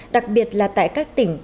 đặc biệt là tại các tỉnh